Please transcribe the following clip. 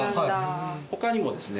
他にもですね